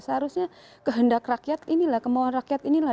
seharusnya kehendak rakyat inilah kemauan rakyat inilah